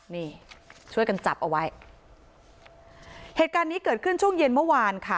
นี่ช่วยกันจับเอาไว้เหตุการณ์นี้เกิดขึ้นช่วงเย็นเมื่อวานค่ะ